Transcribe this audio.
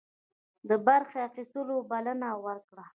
د برخي اخیستلو بلنه ورکړه.